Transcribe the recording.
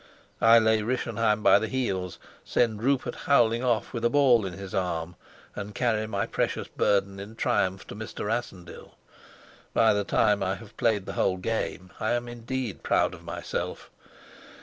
I lay Rischenheim by the heels, send Rupert howling off with a ball in his arm, and carry my precious burden in triumph to Mr. Rassendyll. By the time I have played the whole game I am indeed proud of myself.